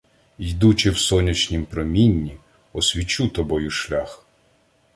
Йдучи в сонячнім промінні освічу тобою шлях!